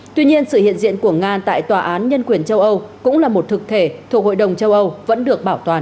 tuy nhiên sự hiện diện của nga tại tòa án nhân quyền châu âu cũng là một thực thể thuộc hội đồng châu âu vẫn được bảo toàn